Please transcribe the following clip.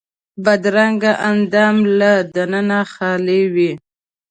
بدرنګه اندام له دننه خالي وي